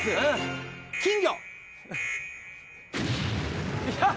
金魚。